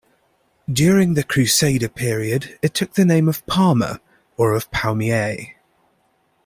During the Crusader period it took the name of Palmer, or of Paumier.